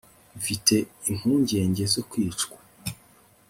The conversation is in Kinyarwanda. mfite impungenge zo kwicwa